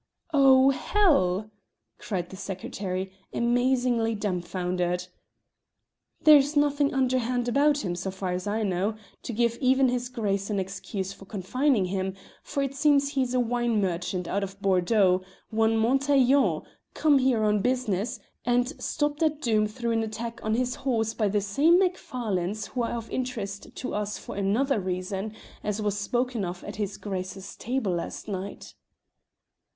"Oh, hell!" cried the secretary, amazingly dumfoundered. "There's nothing underhand about him, so far as I know, to give even his Grace an excuse for confining him, for it seems he's a wine merchant out of Bordeaux, one Montaiglon, come here on business, and stopped at Doom through an attack on his horse by the same Macfarlanes who are of interest to us for another reason, as was spoken of at his Grace's table last night."